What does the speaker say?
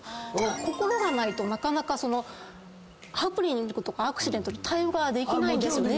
心がないとなかなかハプニングとかアクシデントに対応ができないんですよね。